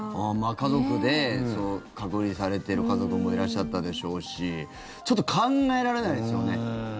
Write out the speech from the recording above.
家族で隔離されている家族もいらっしゃったでしょうしちょっと考えられないですよね。